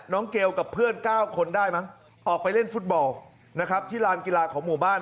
เกลกับเพื่อน๙คนได้มั้งออกไปเล่นฟุตบอลนะครับที่ลานกีฬาของหมู่บ้าน